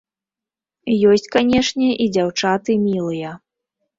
Ёсць, канечне, і дзяўчаты мілыя.